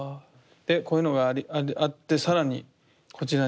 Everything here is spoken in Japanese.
でこういうのがあって更にこちらに。